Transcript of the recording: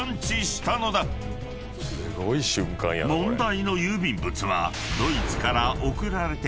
［問題の郵便物は］